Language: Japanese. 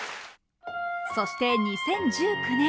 そして２０１９年。